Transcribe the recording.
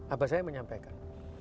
aba saya menyampaikan